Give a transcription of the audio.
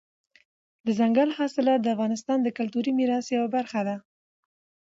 دځنګل حاصلات د افغانستان د کلتوري میراث یوه برخه ده.